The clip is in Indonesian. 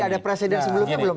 ada presiden sebelumnya belum